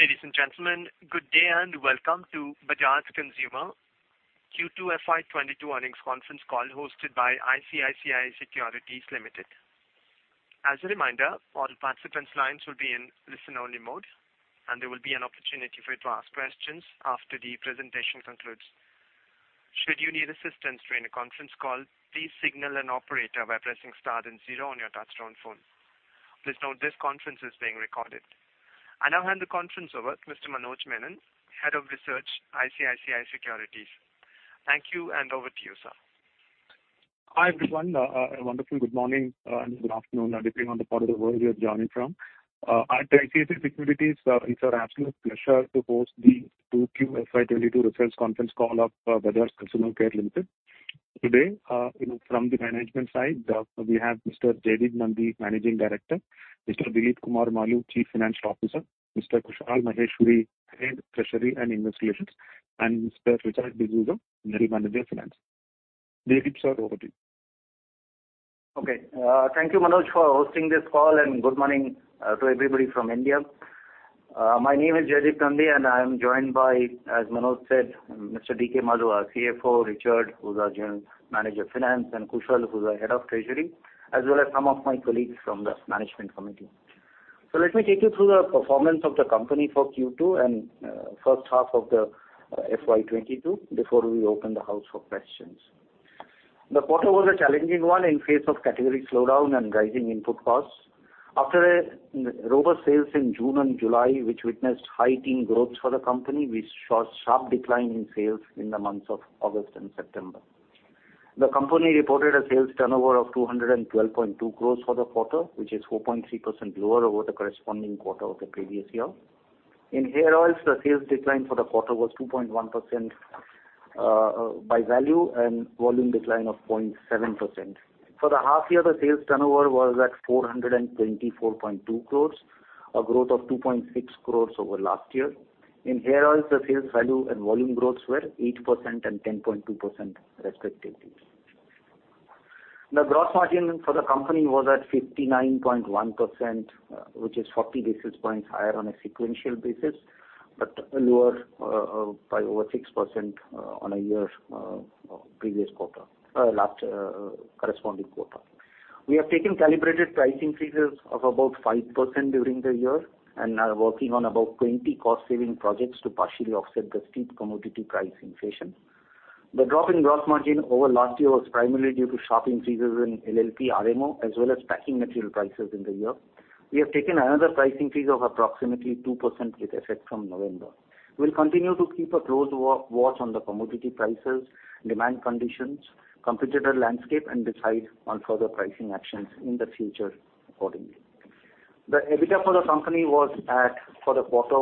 Ladies and gentlemen, good day, and welcome to Bajaj Consumer Q2 FY 2022 earnings conference call hosted by ICICI Securities Limited. As a reminder, all participants' lines will be in listen-only mode, and there will be an opportunity for you to ask questions after the presentation concludes. Should you need assistance during the conference call, please signal an operator by pressing star then zero on your touch-tone phone. Please note this conference is being recorded. I now hand the conference over to Mr. Manoj Menon, Head of Research, ICICI Securities. Thank you, and over to you, sir. Hi, everyone. A wonderful good morning and good afternoon, depending on the part of the world you are joining from. At ICICI Securities, it's our absolute pleasure to host the 2Q FY 2022 results conference call of Bajaj Consumer Care Limited. Today, you know, from the management side, we have Mr. Jaideep Nandi, Managing Director, Mr. Dilip Kumar Maloo, Chief Financial Officer, Mr. Kushal Maheshwari, Head Treasury and Investor Relations, and Mr. Richard D'Souza, General Manager Finance. Jaideep, sir, over to you. Okay. Thank you, Manoj, for hosting this call, and good morning to everybody from India. My name is Jaideep Nandi, and I'm joined by, as Manoj said, Mr. D.K. Maloo, our CFO, Richard, who's our General Manager Finance, and Kushal, who's our Head of Treasury, as well as some of my colleagues from the management committee. Let me take you through the performance of the company for Q2 and first half of the FY 2022 before we open the floor for questions. The quarter was a challenging one in the face of category slowdown and rising input costs. After a robust sales in June and July, which witnessed high-teens growth for the company, we saw sharp decline in sales in the months of August and September. The company reported a sales turnover of 212.2 crores for the quarter, which is 4.3% lower over the corresponding quarter of the previous year. In hair oils, the sales decline for the quarter was 2.1% by value and volume decline of 0.7%. For the half-year, the sales turnover was at 424.2 crores, a growth of 2.6 crores over last year. In hair oils, the sales value and volume growths were 8% and 10.2% respectively. The gross margin for the company was at 59.1%, which is 40 basis points higher on a sequential basis, but lower by over 6% year-over-year to the corresponding quarter. We have taken calibrated pricing freezes of about 5% during the year and are working on about 20 cost-saving projects to partially offset the steep commodity price inflation. The drop in gross margin over last year was primarily due to sharp increases in LLP, RMO, as well as packing material prices in the year. We have taken another pricing freeze of approximately 2% with effect from November. We'll continue to keep a close watch on the commodity prices, demand conditions, competitor landscape, and decide on further pricing actions in the future accordingly. The EBITDA for the company was at for the quarter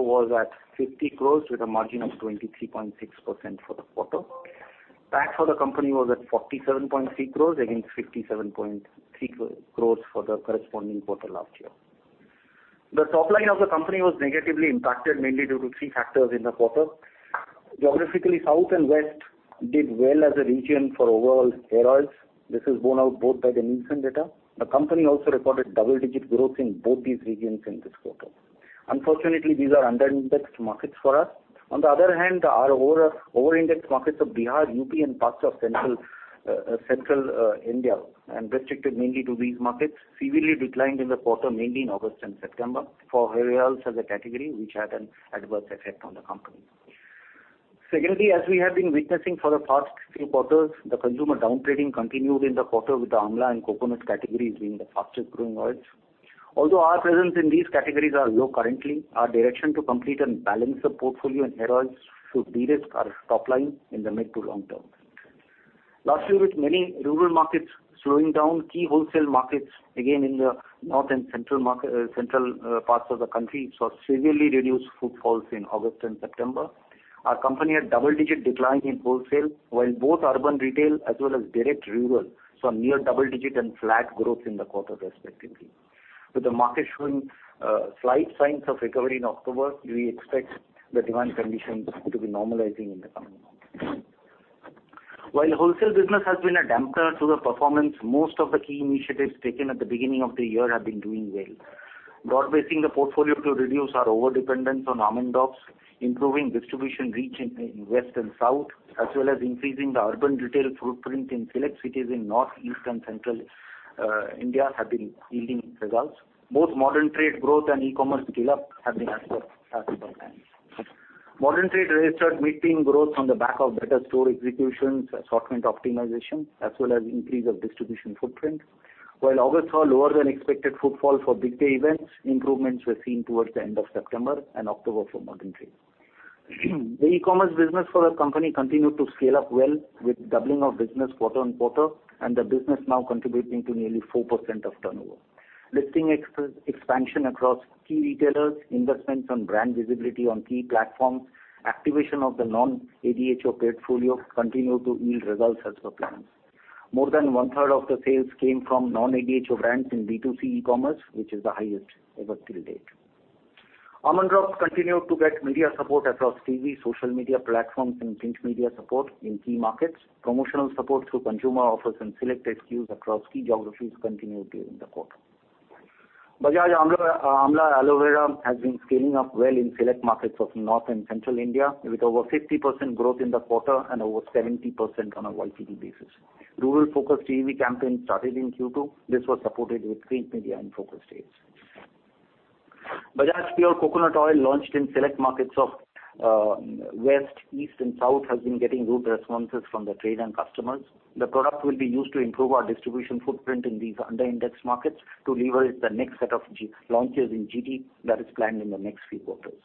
50 crores with a margin of 23.6% for the quarter. PAT for the company was at 47.3 crores against 57.3 crores for the corresponding quarter last year. The top line of the company was negatively impacted mainly due to three factors in the quarter. Geographically, South and West did well as a region for overall hair oils. This is borne out both by the Nielsen data. The company also recorded double-digit growth in both these regions in this quarter. Unfortunately, these are under-indexed markets for us. On the other hand, our over-indexed markets of Bihar, UP, and parts of Central India, and restricted mainly to these markets, severely declined in the quarter, mainly in August and September for hair oils as a category, which had an adverse effect on the company. Secondly, as we have been witnessing for the past few quarters, the consumer down-trading continued in the quarter with the amla and coconut categories being the fastest growing oils. Although our presence in these categories are low currently, our direction to complete and balance the portfolio in hair oils should de-risk our top line in the mid to long term. Lastly, with many rural markets slowing down, key wholesale markets, again in the North and Central markets, central parts of the country, saw severely reduced footfalls in August and September. Our company had double-digit decline in wholesale, while both urban retail as well as direct rural saw near double-digit and flat growth in the quarter respectively. With the market showing slight signs of recovery in October, we expect the demand conditions to be normalizing in the coming months. While wholesale business has been a damper to the performance, most of the key initiatives taken at the beginning of the year have been doing well. Broad-basing the portfolio to reduce our overdependence on almond oils, improving distribution reach in West and South, as well as increasing the urban retail footprint in select cities in North, East, and Central, India have been yielding results. Both modern trade growth and e-commerce scale-up have been as per plans. Modern trade registered mid-teen growth on the back of better store executions, assortment optimization, as well as increase of distribution footprint. While August saw lower than expected footfall for big day events, improvements were seen towards the end of September and October for modern trade. The e-commerce business for our company continued to scale up well with doubling of business quarter-over-quarter and the business now contributing to nearly 4% of turnover. Listing expansion across key retailers, investments on brand visibility on key platforms, activation of the non-ADHO portfolio continued to yield results as per plans. More than one-third of the sales came from non-ADHO brands in B2C e-commerce, which is the highest ever till date. Almond Drops continued to get media support across TV, social media platforms, and print media support in key markets. Promotional support through consumer offers and select SKUs across key geographies continued during the quarter. Bajaj Amla Aloe Vera has been scaling up well in select markets of North and Central India, with over 50% growth in the quarter and over 70% on a YTD basis. Rural-focused TV campaign started in Q2. This was supported with print media in focus states. Bajaj Pure Coconut Oil, launched in select markets of west, east and south, has been getting good responses from the trade and customers. The product will be used to improve our distribution footprint in these under-indexed markets to leverage the next set of GT launches in GT that is planned in the next few quarters.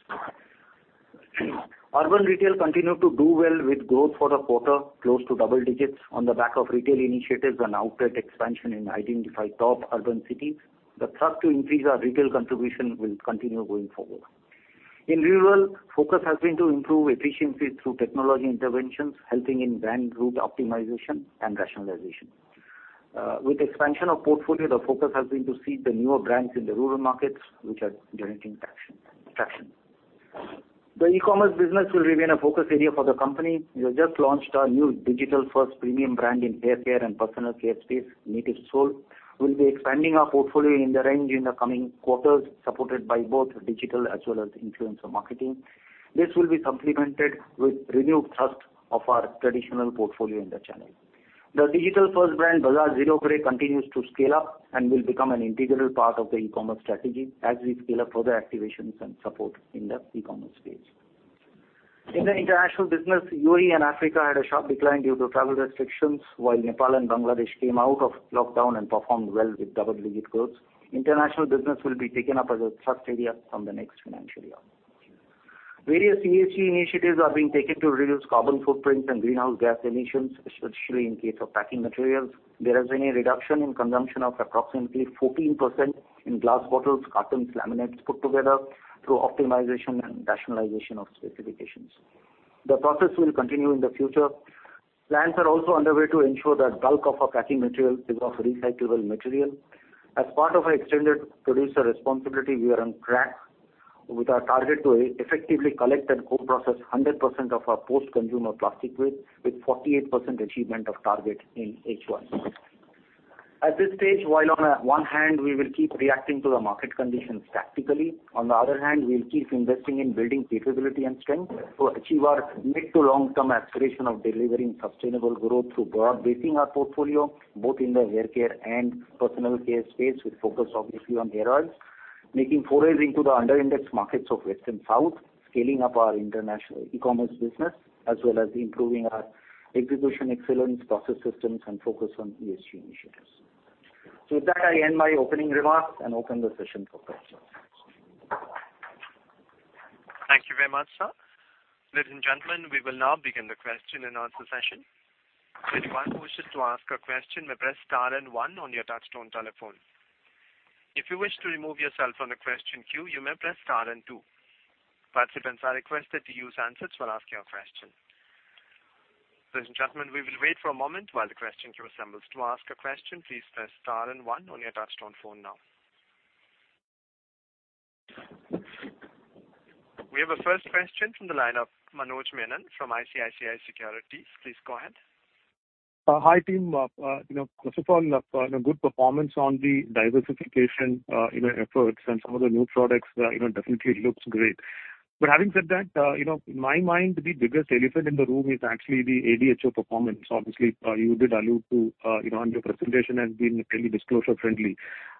Urban retail continued to do well with growth for the quarter, close to double-digits on the back of retail initiatives and outlet expansion in identified top urban cities. The thrust to increase our retail contribution will continue going forward. In rural, focus has been to improve efficiency through technology interventions, helping in van route optimization and rationalization. With expansion of portfolio, the focus has been to seed the newer brands in the rural markets, which are generating traction. The e-commerce business will remain a focus area for the company. We have just launched our new digital-first premium brand in haircare and personal care space, Native Soul. We'll be expanding our portfolio in the range in the coming quarters, supported by both digital as well as influencer marketing. This will be supplemented with renewed thrust of our traditional portfolio in the channel. The digital-first brand, Bajaj Zero Grey, continues to scale up and will become an integral part of the e-commerce strategy as we scale up product activations and support in the e-commerce space. In the international business, UAE and Africa had a sharp decline due to travel restrictions, while Nepal and Bangladesh came out of lockdown and performed well with double-digit growth. International business will be taken up as a thrust area from the next financial year. Various ESG initiatives are being taken to reduce carbon footprint and greenhouse gas emissions, especially in case of packaging materials. There has been a reduction in consumption of approximately 14% in glass bottles, cartons, laminates put together through optimization and rationalization of specifications. The process will continue in the future. Plans are also underway to ensure that bulk of our packaging material is of recyclable material. As part of our extended producer responsibility, we are on track with our target to effectively collect and co-process 100% of our post-consumer plastic waste with 48% achievement of target in H1. At this stage, while on one hand we will keep reacting to the market conditions tactically, on the other hand, we'll keep investing in building capability and strength to achieve our mid- to long-term aspiration of delivering sustainable growth through broad-basing our portfolio, both in the haircare and personal care space, with focus obviously on hair oils, making forays into the under-indexed markets of west and south, scaling up our international e-commerce business, as well as improving our execution excellence, process systems and focus on ESG initiatives. With that, I end my opening remarks and open the session for questions. Thank you very much, sir. Ladies and gentlemen, we will now begin the question-and-answer session. If anyone wishes to ask a question, you may press star and one on your touch-tone telephone. If you wish to remove yourself from the question queue, you may press star and two. Participants are requested to use handsets while asking your question. Ladies and gentlemen, we will wait for a moment while the question queue assembles. To ask a question, please press star and one on your touch-tone phone now. We have a first question from the line of Manoj Menon from ICICI Securities. Please go ahead. Hi, team. You know, first of all, you know, good performance on the diversification, you know, efforts and some of the new products, you know, definitely looks great. Having said that, you know, in my mind, the biggest elephant in the room is actually the ADHO performance. Obviously, you did allude to, you know, and your presentation has been really disclosure friendly.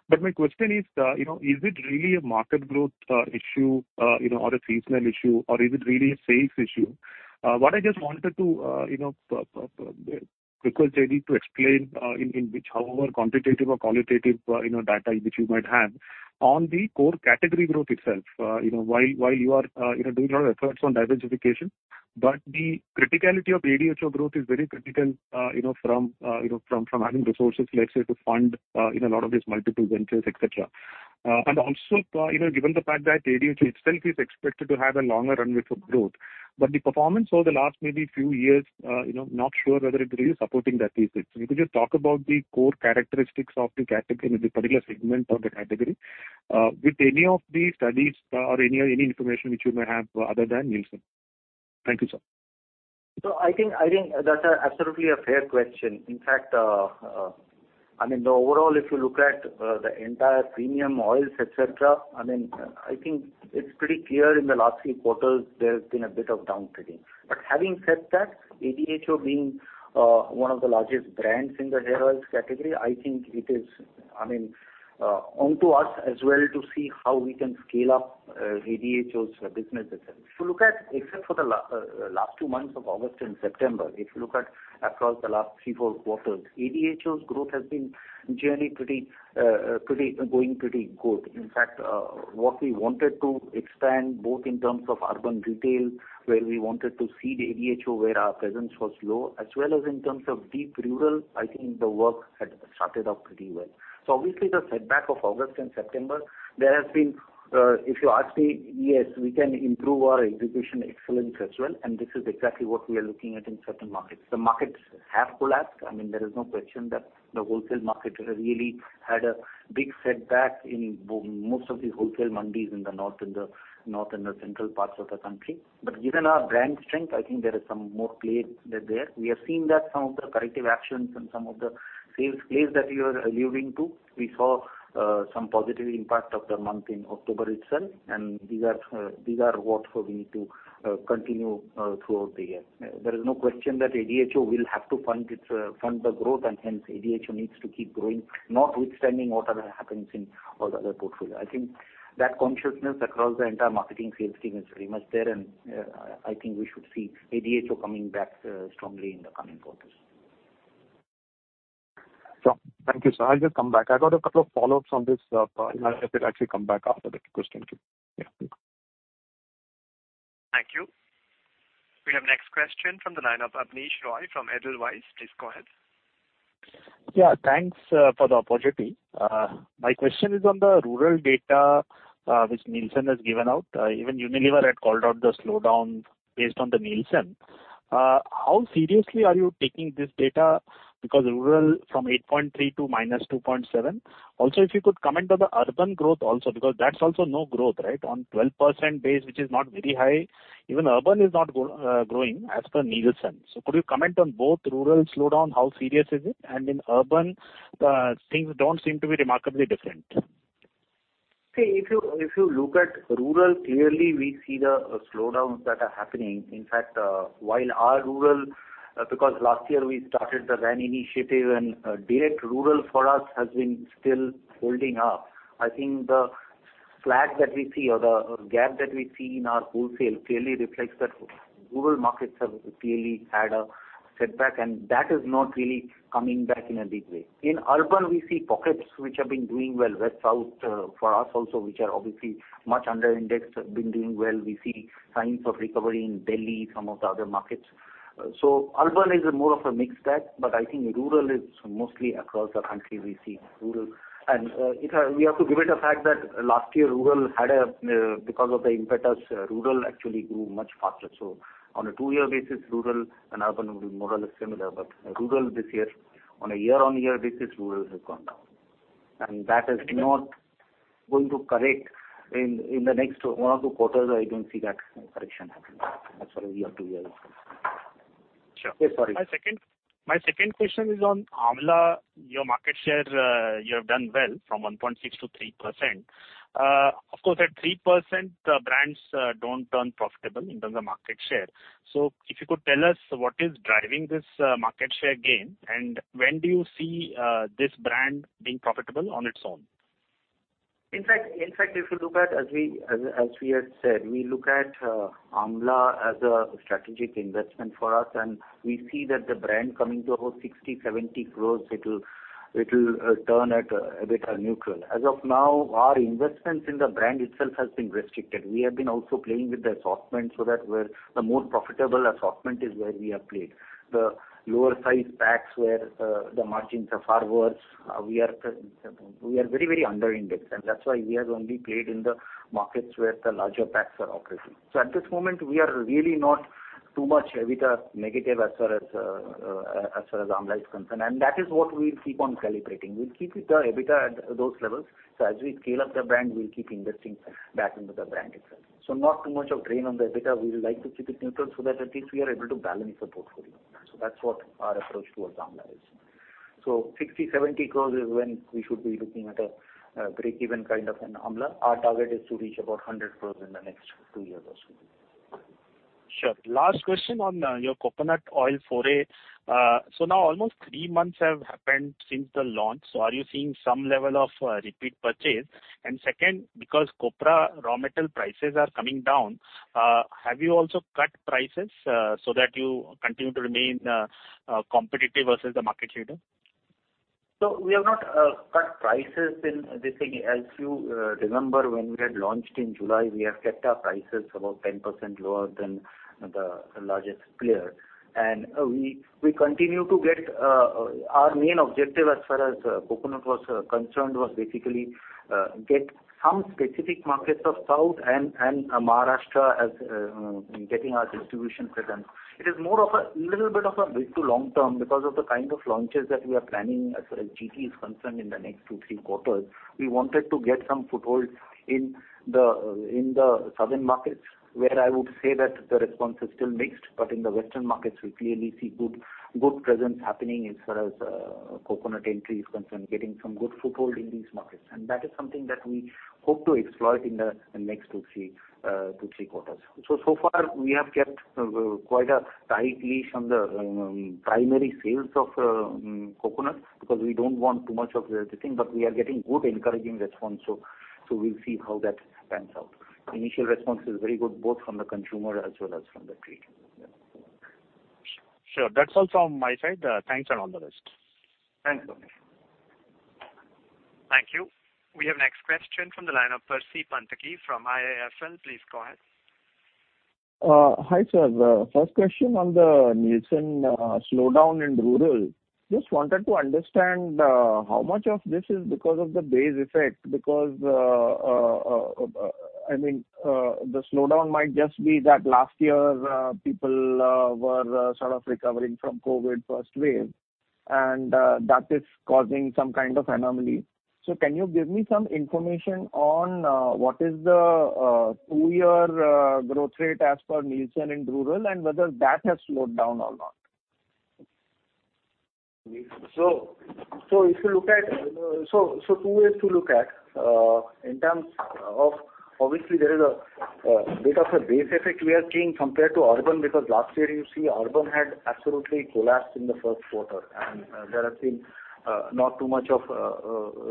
My question is, you know, is it really a market growth issue, you know, or a seasonal issue, or is it really a sales issue? What I just wanted to, you know, quickly get to explain in whatever quantitative or qualitative, you know, data which you might have on the core category growth itself. You know, while you are doing a lot of efforts on diversification, the criticality of ADHO growth is very critical from adding resources, let's say, to fund a lot of these multiple ventures, et cetera. Also, given the fact that ADHO itself is expected to have a longer runway for growth, the performance over the last maybe few years, not sure whether it really is supporting that thesis. If you could just talk about the core characteristics of the category, maybe particular segment of the category, with any of the studies or any information which you may have other than Nielsen. Thank you, sir. I think that's absolutely a fair question. In fact, I mean, the overall if you look at the entire premium oils, et cetera, I mean, I think it's pretty clear in the last few quarters there has been a bit of downtrending. Having said that, ADHO being one of the largest brands in the hair oils category, I think it is, I mean, onto us as well to see how we can scale up ADHO's business itself. If you look at except for the last two months of August and September, if you look at across the last three, four quarters, ADHO's growth has been generally pretty going pretty good. In fact, what we wanted to expand, both in terms of urban retail, where we wanted to seed ADHO where our presence was low, as well as in terms of deep rural, I think the work had started off pretty well. Obviously, the setback of August and September, there has been, if you ask me, yes, we can improve our execution excellence as well, and this is exactly what we are looking at in certain markets. The markets have collapsed. I mean, there is no question that the wholesale market really had a big setback in most of the wholesale mandis in the north and the central parts of the country. Given our brand strength, I think there is some more play there. We have seen that some of the corrective actions and some of the sales plays that you are alluding to, we saw some positive impact in the month of October itself, and these are what we need to continue throughout the year. There is no question that ADHO will have to fund the growth, and hence ADHO needs to keep growing, notwithstanding what else happens in all the other portfolio. I think that consciousness across the entire marketing sales team is very much there, and I think we should see ADHO coming back strongly in the coming quarters. Sure. Thank you, sir. I'll just come back. I got a couple of follow-ups on this, if I could actually come back after the question. Thank you. Yeah, thank you. Thank you. We have next question from the line of Abneesh Roy from Edelweiss. Please go ahead. Yeah, thanks for the opportunity. My question is on the rural data, which Nielsen has given out. Even Unilever had called out the slowdown based on the Nielsen. How seriously are you taking this data? Because rural from 8.3% to -2.7%. Also, if you could comment on the urban growth also, because that's also no growth, right? On 12% base, which is not very high. Even urban is not growing as per Nielsen. Could you comment on both rural slowdown, how serious is it? And in urban, things don't seem to be remarkably different. If you look at rural, clearly we see the slowdowns that are happening. In fact, while our rural because last year we started the VAN initiative and direct rural for us has been still holding up. I think the slack that we see or the gap that we see in our wholesale clearly reflects that rural markets have clearly had a setback, and that is not really coming back in a big way. In urban, we see pockets which have been doing well. West South for us also, which are obviously much under indexed, have been doing well. We see signs of recovery in Delhi, some of the other markets. Urban is more of a mixed bag, but I think rural is mostly across the country, we see rural. We have to give it a fact that last year rural had a because of the impetus, rural actually grew much faster. On a two-year basis, rural and urban will be more or less similar. Rural this year, on a year-on-year basis, rural has gone down. That is not going to correct in the next one or two quarters, I don't see that correction happening as far as year or two years. Sure. Yes, sorry. My second question is on Amla. Your market share, you have done well from 1.6%-3%. Of course, at 3%, brands don't turn profitable in terms of market share. If you could tell us what is driving this market share gain, and when do you see this brand being profitable on its own? In fact, if you look at, as we had said, we look at Amla as a strategic investment for us, and we see that the brand coming to about 60 crores-70 crores, it'll turn at a bit of neutral. As of now, our investments in the brand itself has been restricted. We have been also playing with the assortment so that we're the more profitable assortment is where we have played. The lower sized packs where the margins are far worse, we are very under indexed, and that's why we have only played in the markets where the larger packs are operating. So at this moment, we are really not too much EBITDA negative as far as Amla is concerned, and that is what we'll keep on calibrating. We'll keep the EBITDA at those levels. As we scale up the brand, we'll keep investing back into the brand itself. Not too much of drain on the EBITDA. We would like to keep it neutral so that at least we are able to balance the portfolio. That's what our approach towards Amla is. 60 crores-70 crores is when we should be looking at a break-even kind of an Amla. Our target is to reach about 100 crores in the next two years or so. Sure. Last question on your coconut oil foray. Now almost three months have happened since the launch. Are you seeing some level of repeat purchase? Second, because copra raw material prices are coming down, have you also cut prices so that you continue to remain competitive versus the market leader? We have not cut prices in this thing. As you remember, when we had launched in July, we have kept our prices about 10% lower than the largest player. Our main objective as far as coconut was concerned was basically get some specific markets of South and Maharashtra as getting our distribution presence. It is more of a little bit of a mid- to long-term because of the kind of launches that we are planning as far as GT is concerned in the next two to three quarters. We wanted to get some foothold in the southern markets, where I would say that the response is still mixed. In the western markets, we clearly see good presence happening as far as coconut entry is concerned, getting some good foothold in these markets. That is something that we hope to exploit in the next two, three quarters. So far we have kept quite a tight leash on the primary sales of coconut because we don't want too much of the other thing. We are getting good encouraging response, so we'll see how that pans out. Initial response is very good, both from the consumer as well as from the trade. Yeah. Sure. That's all from my side. Thanks, and all the best. Thanks, Abneesh. Thank you. We have next question from the line of Percy Panthaki from IIFL. Please go ahead. Hi, sir. The first question on the Nielsen slowdown in rural. Just wanted to understand how much of this is because of the base effect, because I mean the slowdown might just be that last year people were sort of recovering from COVID first wave, and that is causing some kind of anomaly. Can you give me some information on what is the two-year growth rate as per Nielsen in rural and whether that has slowed down or not? If you look at two ways to look at. In terms of obviously, there is a bit of a base effect we are seeing compared to urban, because last year you see urban had absolutely collapsed in the first quarter, and there has been not too much of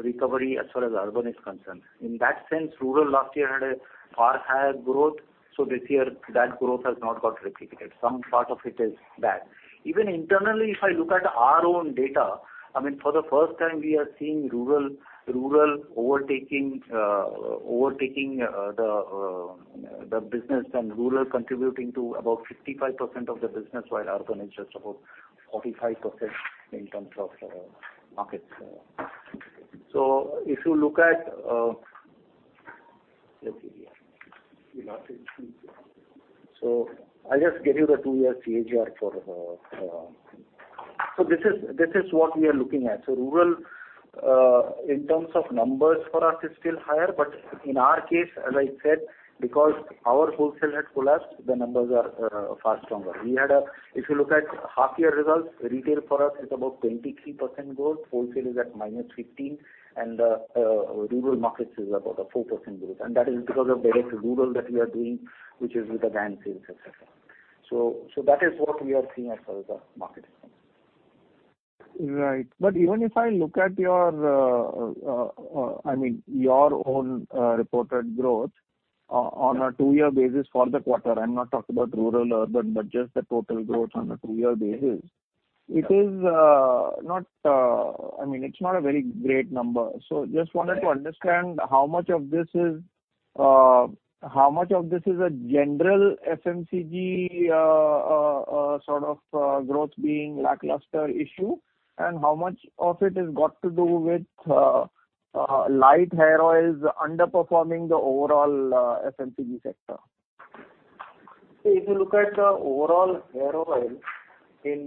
recovery as far as urban is concerned. In that sense, rural last year had a far higher growth, this year that growth has not got replicated. Some part of it is that. Even internally, if I look at our own data, I mean, for the first time we are seeing rural overtaking the business and rural contributing to about 55% of the business, while urban is just about 45% in terms of markets. If you look at. Let's see here. I'll just give you the two-year CAGR for. This is what we are looking at. Rural in terms of numbers for us is still higher, but in our case, as I said, because our wholesale had collapsed, the numbers are far stronger. If you look at half-year results, retail for us is about 23% growth, wholesale is at -15%, and rural markets is about a 4% growth. That is because of the rural that we are doing, which is with the Van sales, et cetera. That is what we are seeing as far as the market is concerned. Right. Even if I look at your, I mean, your own, reported growth on a two-year basis for the quarter, I'm not talking about rural or urban, but just the total growth on a two-year basis. Yeah. I mean, it's not a very great number. Just wanted to understand how much of this is a general FMCG sort of growth being lackluster issue, and how much of it has got to do with light hair oils underperforming the overall FMCG sector? If you look at the overall hair oil in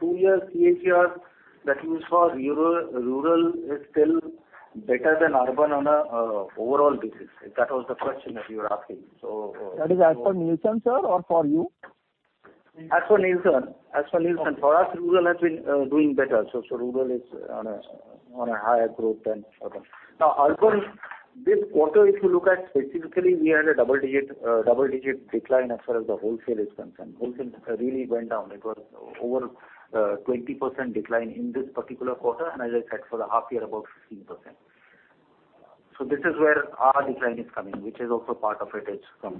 two years CAGR, that means for rural is still better than urban on a overall basis. If that was the question that you were asking. That is as for Nielsen, sir, or for you? As for Nielsen. For us, rural has been doing better. Rural is on a higher growth than urban. Urban, this quarter, if you look at specifically, we had a double-digit decline as far as the wholesale is concerned. Wholesale really went down. It was over 20% decline in this particular quarter, and as I said, for the half year, about 15%. This is where our decline is coming, which is also part of it is from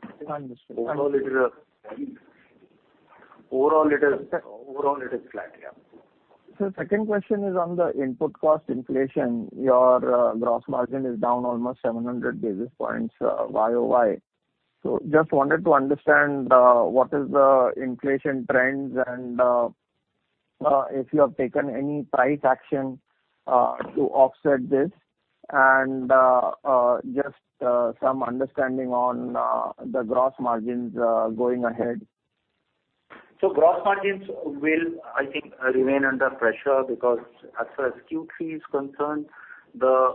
the rural market. Understood. Overall, it is flat. Yeah. Sir, second question is on the input cost inflation. Your gross margin is down almost 700 basis points year-over-year. Just wanted to understand what is the inflation trends, and if you have taken any pricing action to offset this, and just some understanding on the gross margins going ahead. Gross margins will, I think, remain under pressure because as far as Q3 is concerned,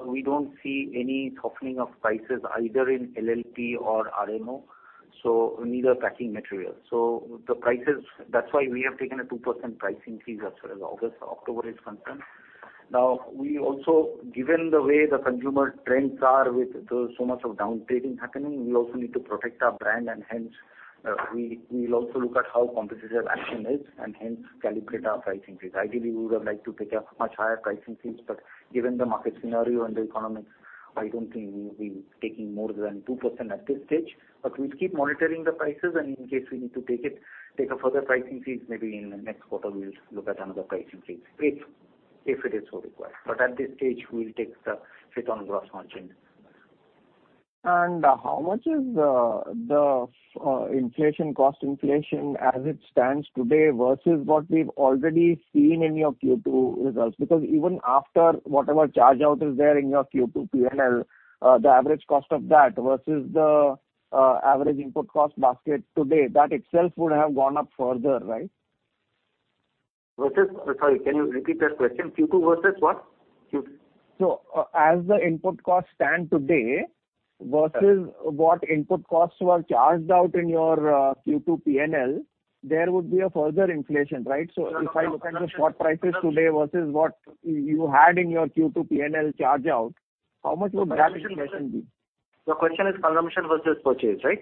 we don't see any softening of prices either in LLP or RMO, so neither packing material. The prices. That's why we have taken a 2% pricing increase as far as August to October is concerned. Now, we also, given the way the consumer trends are with so much downtrading happening, we also need to protect our brand and hence, we'll also look at how competitive action is and hence calibrate our pricing increases. Ideally, we would have liked to take much higher pricing increases, but given the market scenario and the economics, I don't think we'll be taking more than 2% at this stage. We'll keep monitoring the prices, and in case we need to take a further pricing increase, maybe in the next quarter, we'll look at another pricing increase if it is so required. At this stage, we'll take the hit on gross margin. How much is the inflation, cost inflation as it stands today versus what we've already seen in your Q2 results? Because even after whatever charge out is there in your Q2 P&L, the average cost of that versus the average input cost basket today, that itself would have gone up further, right? Versus? Sorry, can you repeat that question? Q2 versus what? As the input costs stand today versus what input costs were charged out in your Q2 PNL, there would be a further inflation, right? No, no. If I look at the spot prices today versus what you had in your Q2 P&L charge out, how much would that inflation be? Your question is consumption versus purchase, right?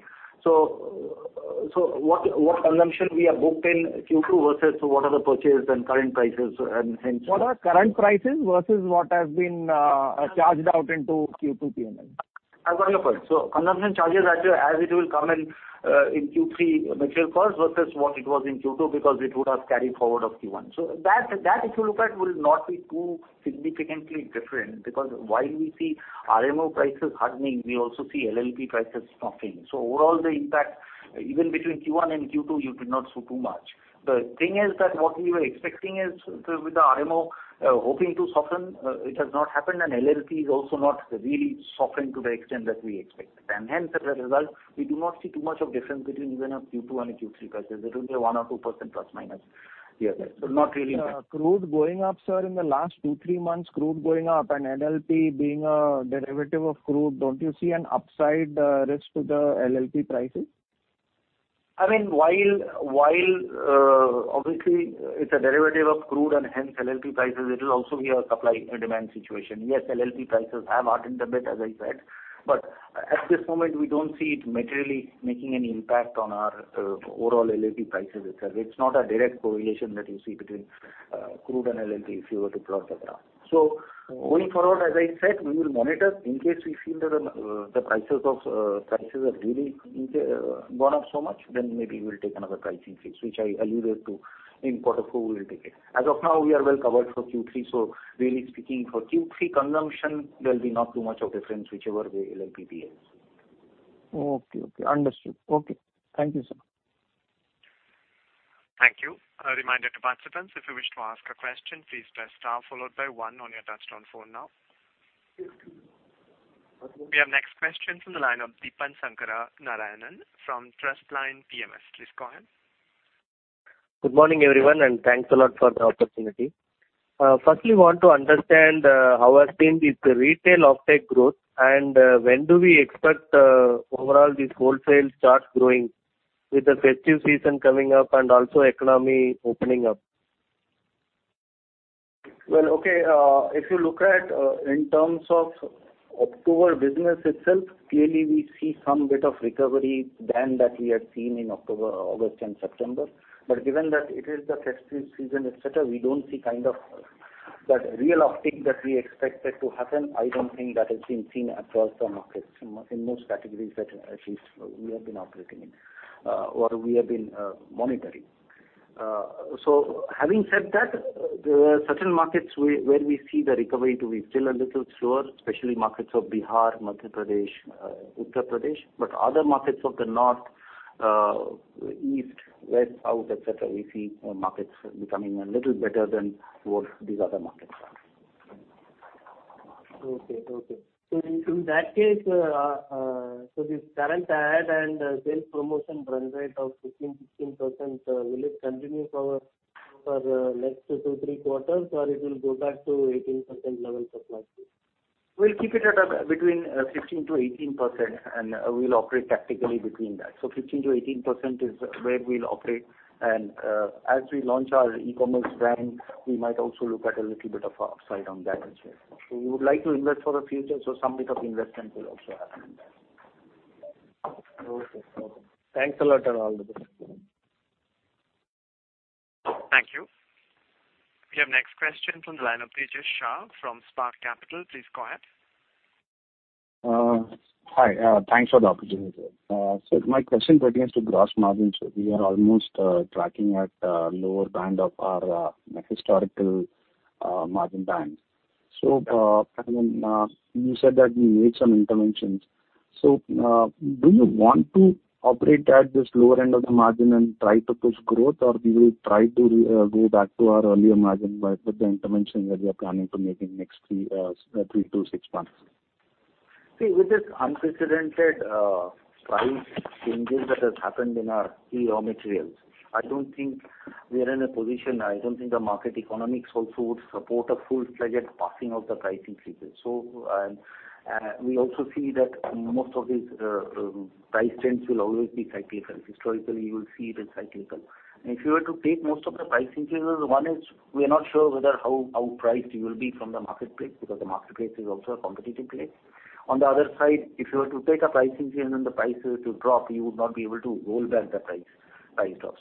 What consumption we have booked in Q2 versus what are the purchase and current prices and hence. What are current prices versus what has been charged out into Q2PML? I've got your point. Consumption charges as it will come in in Q3 material costs versus what it was in Q2 because it would have carried forward of Q1. That if you look at will not be too significantly different because while we see RMO prices hardening, we also see LLP prices softening. Overall, the impact even between Q1 and Q2, you did not see too much. The thing is that what we were expecting is with the RMO hoping to soften, it has not happened and LLP is also not really softening to the extent that we expected. Hence, as a result, we do not see too much of difference between even a Q2 and a Q3 versus it will be a 1% or 2%± year. Not really. Crude going up, sir, in the last two to three months, crude going up and LLP being a derivative of crude, don't you see an upside risk to the LLP prices? I mean, while obviously it's a derivative of crude and hence LLP prices, it will also be a supply and demand situation. Yes, LLP prices have hardened a bit, as I said, but at this moment we don't see it materially making any impact on our overall LLP prices itself. It's not a direct correlation that you see between crude and LLP if you were to plot the graph. Going forward, as I said, we will monitor in case we feel that the prices have really gone up so much, then maybe we'll take another pricing increase, which I alluded to in quarter four, we'll take it. As of now, we are well covered for Q3. Really speaking for Q3 consumption, there'll be not too much of difference whichever way LLP behaves. Okay. Understood. Thank you, sir. Thank you. A reminder to participants, if you wish to ask a question, please press star followed by one on your touchtone phone now. We have next question from the line of Deepan Sankara Narayanan from Trustline PMS. Please go ahead. Good morning, everyone, and thanks a lot for the opportunity. First we want to understand how has been this retail offtake growth, and when do we expect overall this wholesale start growing with the festive season coming up and also economy opening up? Well, okay, if you look at, in terms of October business itself, clearly we see some bit of recovery than that we had seen in October, August and September. Given that it is the festive season, et cetera, we don't see kind of that real uptick that we expected to happen. I don't think that has been seen across the markets in most categories that at least we have been operating in, or we have been monitoring. Having said that, there are certain markets where we see the recovery to be still a little slower, especially markets of Bihar, Madhya Pradesh, Uttar Pradesh. Other markets of the north, east, west, south, et cetera, we see markets becoming a little better than what these other markets are. In that case, this current ad and sales promotion run rate of 15%-16% will it continue for next two, three quarters or it will go back to 18% levels of last year? We'll keep it at between 15%-18%, and we'll operate tactically between that. 15%-18% is where we'll operate. As we launch our e-commerce brand, we might also look at a little bit of upside on that as well. We would like to invest for the future, so some bit of investment will also happen in that. Okay. Thanks a lot. Thank you. We have next question from the line of Tejas Shah from Spark Capital. Please go ahead. Hi. Thanks for the opportunity. My question pertains to gross margins. We are almost tracking at lower band of our historical margin band. I mean, you said that you made some interventions. Do you want to operate at this lower end of the margin and try to push growth or we will try to go back to our earlier margin with the intervention that you are planning to make in next three to six months? See, with this unprecedented price changes that has happened in our key raw materials, I don't think we are in a position. I don't think the market economics also would support a full-fledged passing of the pricing increases. We also see that most of these price trends will always be cyclical. Historically, you will see it is cyclical. If you were to take most of the pricing increases, one is we are not sure whether how priced you will be from the marketplace because the marketplace is also a competitive place. On the other side, if you were to take a pricing increase and the prices to drop, you would not be able to roll back the price drop.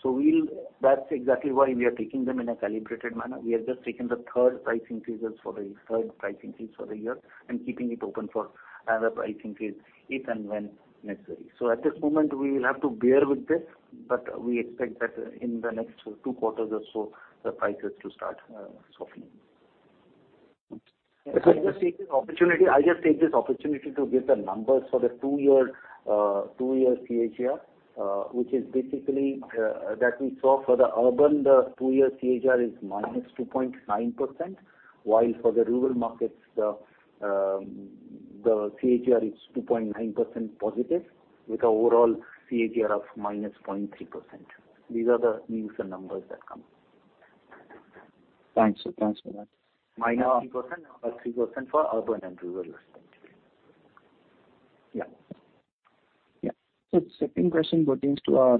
That's exactly why we are taking them in a calibrated manner. We have just taken the third pricing increase for the year and keeping it open for another pricing increase if and when necessary. At this moment, we will have to bear with this, but we expect that in the next two quarters or so the prices to start softening. I just take this opportunity to give the numbers for the two-year CAGR, which is basically that we saw for the urban. The two-year CAGR is -2.9%, while for the rural markets the CAGR is +2.9% with overall CAGR of -0.3%. These are the recent numbers that come. Thanks. Thanks for that. -3% or 3% for urban and rural respectively. Yeah. Second question pertains to our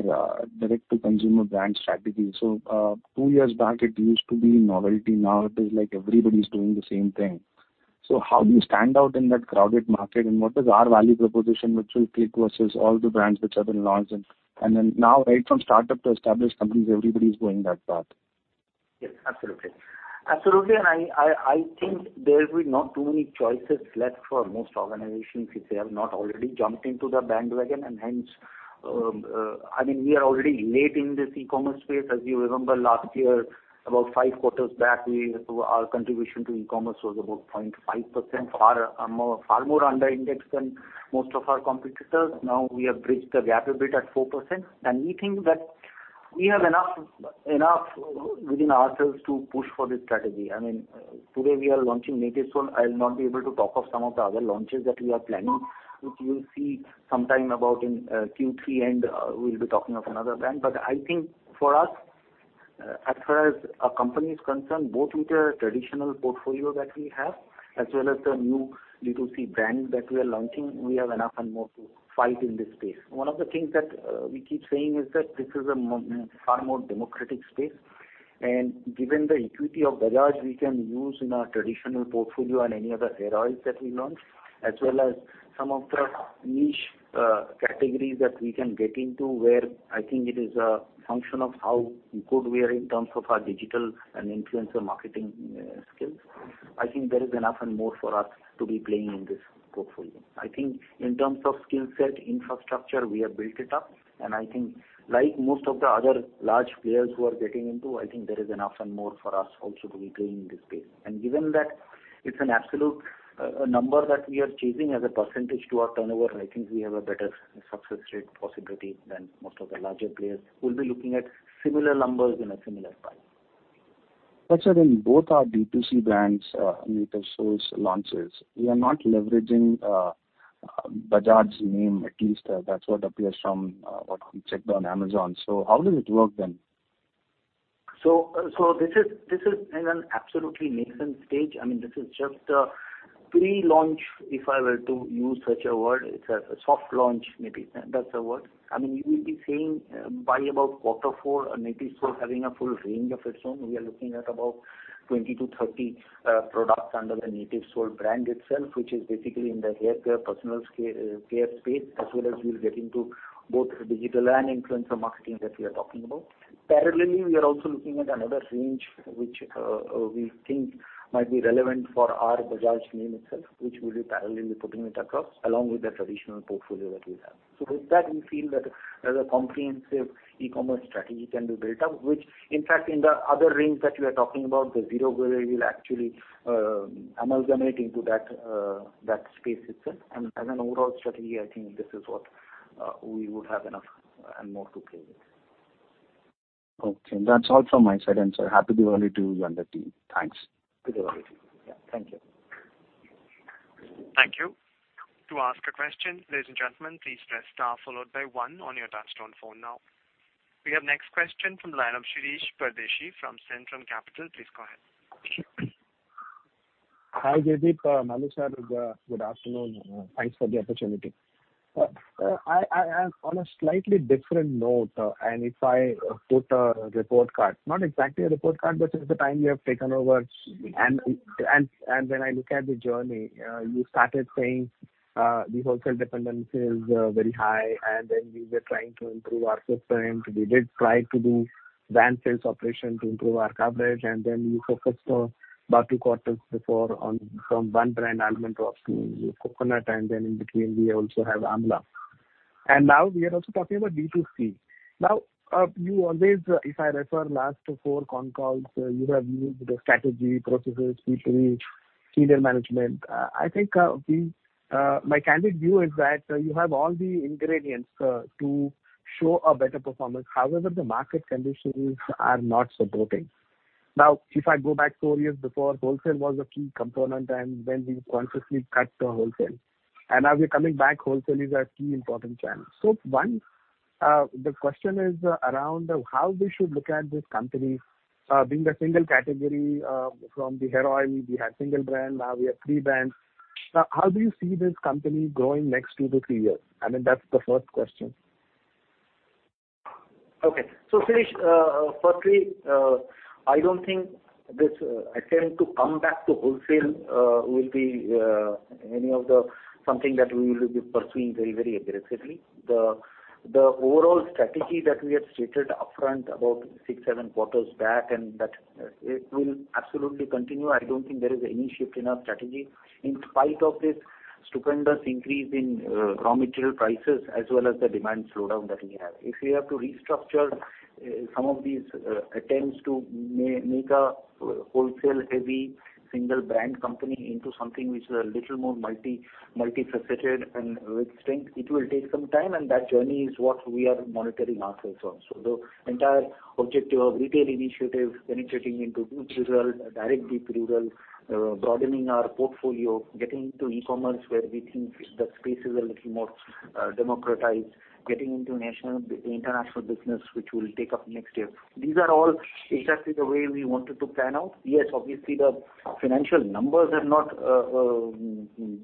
direct to consumer brand strategy. Two years back it used to be novelty. Now it is like everybody's doing the same thing. How do you stand out in that crowded market and what is our value proposition which will click versus all the brands which have been launched and then now right from startup to established companies, everybody is going that path. Yes, absolutely. I think there will be not too many choices left for most organizations if they have not already jumped on the bandwagon. Hence, I mean, we are already late in this e-commerce space. As you remember last year, about five quarters back, our contribution to e-commerce was about 0.5%, far more under indexed than most of our competitors. Now, we have bridged the gap a bit at 4%, and we think that we have enough within ourselves to push for this strategy. I mean, today, we are launching Natyv Soul. I will not be able to talk of some of the other launches that we are planning, which you'll see sometime about in Q3, and we'll be talking of another brand. I think for us, as far as our company is concerned, both with the traditional portfolio that we have as well as the new D2C brand that we are launching, we have enough and more to fight in this space. One of the things that we keep saying is that this is far more democratic space. Given the equity of Bajaj we can use in our traditional portfolio and any other hair oils that we launch, as well as some of the niche categories that we can get into where I think it is a function of how good we are in terms of our digital and influencer marketing skills. I think there is enough and more for us to be playing in this portfolio. I think in terms of skill set, infrastructure, we have built it up. I think like most of the other large players who are getting into, I think there is enough and more for us also to be playing in this space. Given that it's an absolute number that we are chasing as a percentage to our turnover, I think we have a better success rate possibility than most of the larger players who'll be looking at similar numbers in a similar time. Sir, in both our D2C brands, Natyv Soul launches, we are not leveraging Bajaj's name, at least that's what appears from what we checked on Amazon. How does it work then? This is in an absolutely nascent stage. I mean, this is just a pre-launch, if I were to use such a word. It's a soft launch maybe. That's the word. I mean, you will be seeing by about quarter four, a Native Soul having a full range of its own. We are looking at about 20-30 products under the Native Soul brand itself, which is basically in the hair care, personal care space, as well as we'll get into both digital and influencer marketing that we are talking about. Parallelly, we are also looking at another range which we think might be relevant for our Bajaj name itself, which we'll be parallelly putting it across along with the traditional portfolio that we have. With that, we feel that a comprehensive e-commerce strategy can be built up, which in fact in the other range that we are talking about, the Zero Grey will actually amalgamate into that space itself. As an overall strategy, I think this is what we would have enough and more to play with. Okay. That's all from my side. Happy Diwali to you and the team. Thanks. Happy Diwali. Yeah. Thank you. Thank you. To ask a question, ladies and gentlemen, please press star followed by one on your touchtone phone now. We have next question from the line of Shirish Pardeshi from Centrum Capital. Please go ahead. Hi, Jaideep. Maloo, sir. Good afternoon. Thanks for the opportunity. I on a slightly different note, if I put a report card, not exactly a report card, but since the time you have taken over and when I look at the journey, you started saying the wholesale dependence is very high, and then you were trying to improve our system. We did try to do van sales operation to improve our coverage. Then you focused on about two quarters before on from one brand Almond Drops to Coconut, and then in between, we also have Amla. Now we are also talking about D2C. Now you always, if I refer last four con calls, you have used the strategy, processes, people, senior management. I think my candid view is that you have all the ingredients to show a better performance. However, the market conditions are not supporting. Now, if I go back four years before, wholesale was a key component, and then we consciously cut the wholesale. Now we're coming back, wholesale is a key important channel. The question is around how we should look at this company being a single category from the hair oil, we had single brand, now we have three brands. Now how do you see this company growing next two to three years? I mean, that's the first question. Shirish, firstly, I don't think this attempt to come back to wholesale will be anything that we will be pursuing very aggressively. The overall strategy that we have stated upfront about six, seven quarters back and that it will absolutely continue. I don't think there is any shift in our strategy. In spite of this stupendous increase in raw material prices as well as the demand slowdown that we have. If we have to restructure some of these attempts to make a wholesale heavy single brand company into something which is a little more multi-faceted and with strength, it will take some time, and that journey is what we are monitoring ourselves also. The entire objective of retail initiative penetrating into rural, direct deep rural, broadening our portfolio, getting into e-commerce where we think the space is a little more democratized, getting into national, international business, which we'll take up next year. These are all exactly the way we wanted to plan out. Yes, obviously the financial numbers have not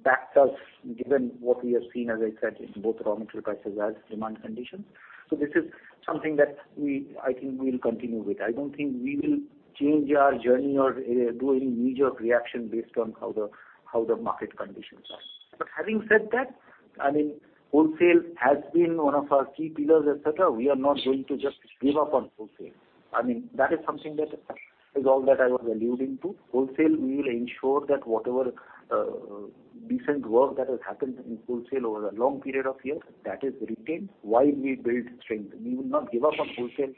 backed us given what we have seen, as I said, in both raw material prices as demand conditions. This is something that we, I think we'll continue with. I don't think we will change our journey or do any major reaction based on how the market conditions are. Having said that, I mean, wholesale has been one of our key pillars, et cetera. We are not going to just give up on wholesale. I mean, that is something that is all that I was alluding to. Wholesale, we will ensure that whatever decent work that has happened in wholesale over a long period of years, that is retained while we build strength. We will not give up on wholesale,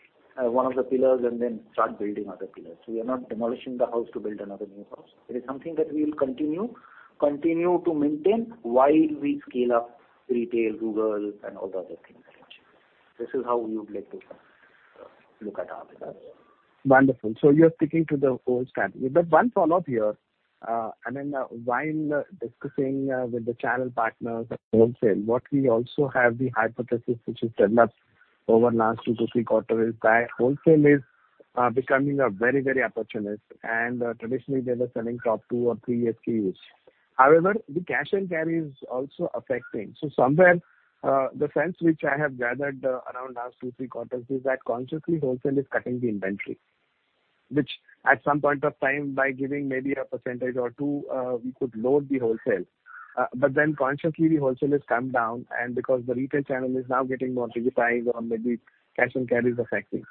one of the pillars and then start building other pillars. We are not demolishing the house to build another new house. It is something that we will continue to maintain while we scale up retail, rural, and all the other things I mentioned. This is how we would like to look at our business. Wonderful. You're sticking to the old strategy. One follow-up here. While discussing with the channel partners at wholesale, what we also have the hypothesis which has turned up over last two to three quarters is that wholesale is becoming very, very opportunistic. Traditionally they were selling top two or three SKUs. However, the cash and carry is also affecting. Somewhere the sense which I have gathered around last two, three quarters is that consciously wholesale is cutting the inventory, which at some point of time by giving maybe a percentage or two we could load the wholesale. But then consciously the wholesale is come down and because the retail channel is now getting more digitized or maybe cash and carry is affecting.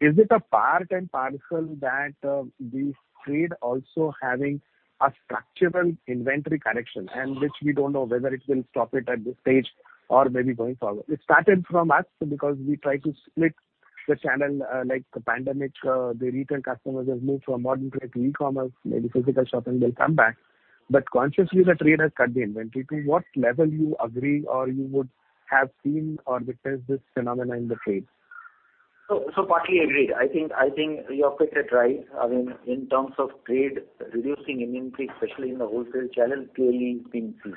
Is it a part and parcel that the trade also having a structural inventory correction and which we don't know whether it will stop it at this stage or maybe going forward? It started from us because we try to split the channel like the pandemic the retail customers have moved from modern trade to e-commerce, maybe physical shopping will come back. Consciously the trade has cut the inventory. To what level you agree or you would have seen or because this phenomenon in the trade? Partly agreed. I think you have got it right. I mean, in terms of trade, reducing inventory, especially in the wholesale channel, clearly it's been seen.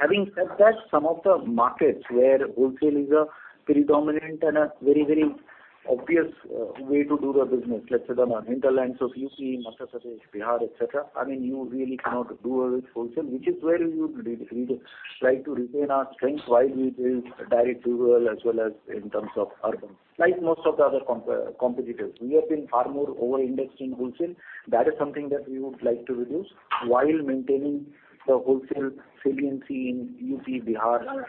Having said that, some of the markets where wholesale is a predominant and a very obvious way to do the business, let's say the hinterlands of UP, Madhya Pradesh, Bihar, et cetera, I mean, you really cannot do away with wholesale, which is where we would reduce, try to retain our strength while we build direct rural as well as in terms of urban. Like most of the other competitors, we have been far more over-indexed in wholesale. That is something that we would like to reduce while maintaining the wholesale saliency in UP, Bihar,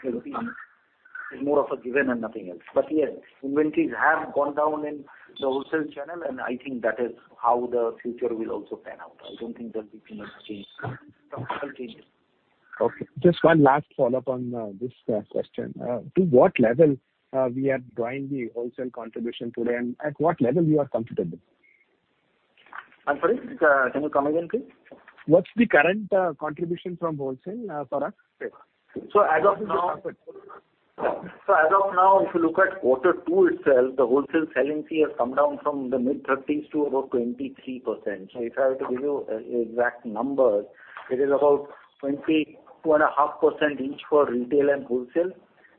Delhi is more of a given and nothing else. Yes, inventories have gone down in the wholesale channel, and I think that is how the future will also pan out. I don't think there'll be too much change, structural changes. Okay. Just one last follow-up on this question. To what level we are drawing the wholesale contribution today and at what level you are comfortable? I'm sorry. Can you come again, please? What's the current contribution from wholesale for us? As of now, if you look at quarter two itself, the wholesale saliency has come down from the mid-30% to about 23%. If I have to give you exact numbers, it is about 22.5% each for retail and wholesale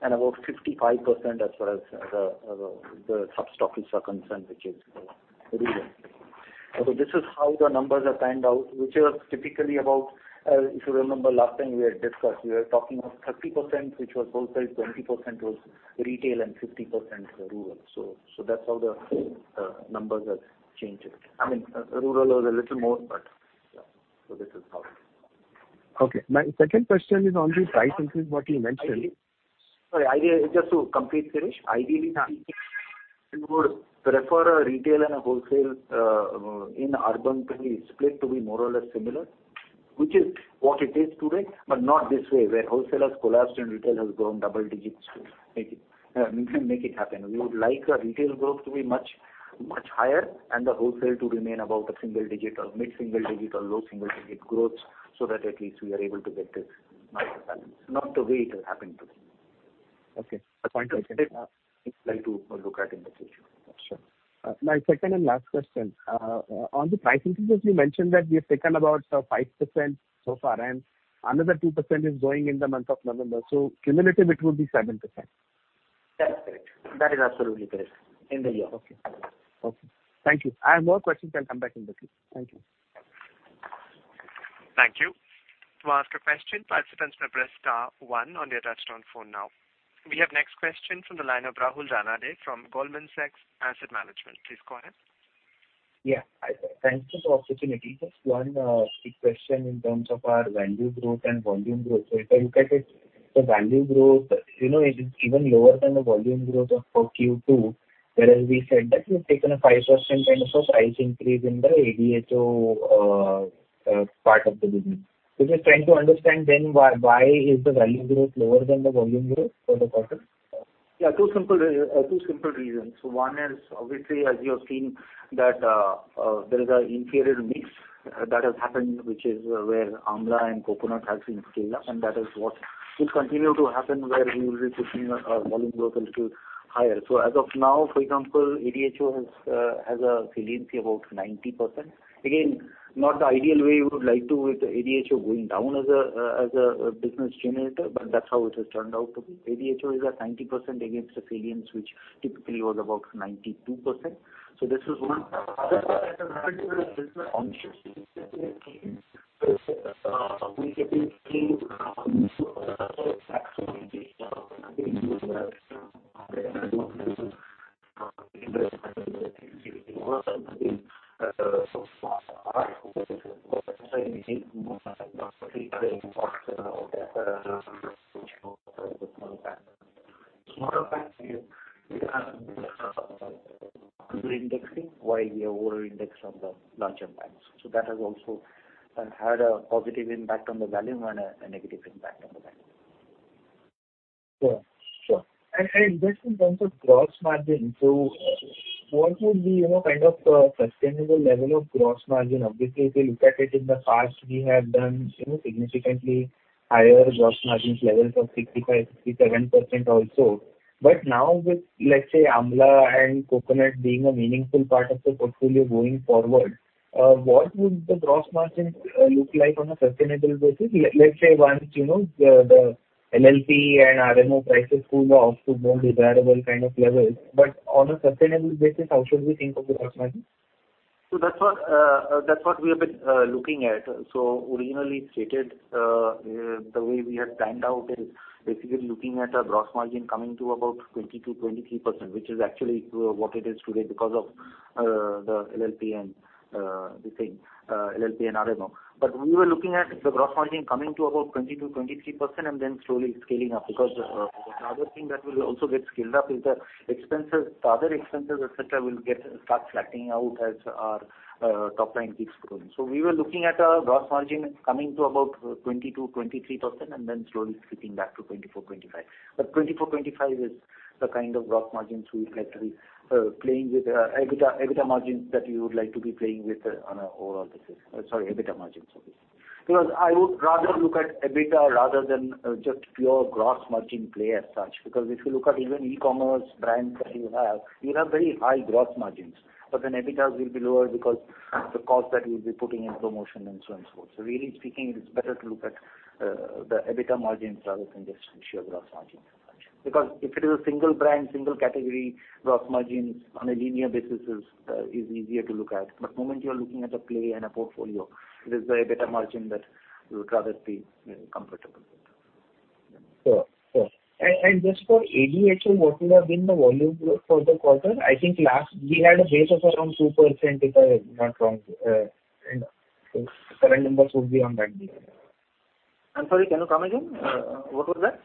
and about 55% as far as the sub-stockists are concerned, which is rural. This is how the numbers are panned out, which was typically about, if you remember last time we had discussed, we were talking of 30%, which was wholesale, 20% was retail, and 50% rural. That's how the numbers have changed. I mean, rural was a little more, but yeah. This is how it is. Okay. My second question is on the pricing increase what you mentioned. Just to complete, Shirish. Ideally, we would prefer a retail and a wholesale in urban trade split to be more or less similar, which is what it is today, but not this way, where wholesale has collapsed and retail has grown double-digits. Make it happen. We would like our retail growth to be much, much higher and the wholesale to remain about a single-digit or mid-single-digit or low-single-digit growth so that at least we are able to get this mix balance, not the way it has happened today. Okay. The point I said, we'd like to look at in the future. Sure. My second and last question. On the price increases, you mentioned that we have taken about 5% so far, and another 2% is going in the month of November. Cumulative, it would be 7%. That's correct. That is absolutely correct. In the year. Okay. Thank you. I have more questions. I'll come back in the queue. Thank you. Thank you. We have next question from the line of Rahul Ranade from Goldman Sachs Asset Management. Please go ahead. Yeah. Thank you for the opportunity. Just one quick question in terms of our value growth and volume growth. If I look at it, the value growth, you know, is even lower than the volume growth of, for Q2, whereas we said that we've taken a 5% kind of a price increase in the ADHO part of the business. Just trying to understand then why is the value growth lower than the volume growth for the quarter? Yeah, two simple reasons. One is obviously, as you have seen, that there is an inferior mix that has happened, which is where Amla and Coconut has been scaled up, and that is what will continue to happen where we will be pushing our volume growth a little higher. So as of now, for example, ADHO has a salience about 90%. Again, not the ideal way you would like to with ADHO going down as a business generator, but that's how it has turned out to be. ADHO is at 90% against the salience, which typically was about 92%. So this is one. The other part that has happened is that consciously we said we are taking. We are taking trade along with us. A lot of times we have under-indexing while we have over-indexed on the larger packs. That has also had a positive impact on the volume and a negative impact on the value. Sure, sure. Just in terms of gross margin, what would be, you know, kind of, sustainable level of gross margin? Obviously, if you look at it in the past, we have done, you know, significantly higher gross margin levels of 65%-67% also. Now with, let's say, Amla and Coconut being a meaningful part of the portfolio going forward, what would the gross margin look like on a sustainable basis? Let's say once, you know, the LLP and RMO prices cool-off to more desirable kind of levels. On a sustainable basis, how should we think of the gross margin? That's what we have been looking at. Originally stated, the way we had planned out is basically looking at a gross margin coming to about 20%-23%, which is actually what it is today because of the LLP and RMO. We were looking at the gross margin coming to about 20%-23% and then slowly scaling up. The other thing that will also get scaled up is the expenses. The other expenses, et cetera, will start flattening out as our top line keeps growing. We were looking at a gross margin coming to about 20%-23% and then slowly creeping back to 24%-25%. 24%-25% is the kind of gross margins we would like to be playing with, EBITDA margins that we would like to be playing with on an overall basis. Sorry, EBITDA margins, sorry. Because I would rather look at EBITDA rather than just pure gross margin play as such. Because if you look at even e-commerce brands that you have, you have very high gross margins, but then EBITDAs will be lower because the cost that you'll be putting in promotion and so and so. Really speaking, it's better to look at the EBITDA margins rather than just pure gross margins as such. Because if it is a single brand, single category, gross margins on a linear basis is easier to look at. The moment you are looking at a play and a portfolio, it is the EBITDA margin that we would rather be, you know, comfortable with. Sure, sure. Just for ADHO, what would have been the volume growth for the quarter? I think last we had a base of around 2%, if I am not wrong. Current numbers would be on that. I'm sorry, can you come again? What was that?